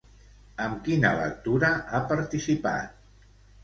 Amb quina lectura ha participat?